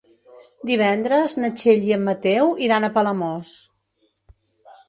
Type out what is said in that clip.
Divendres na Txell i en Mateu iran a Palamós.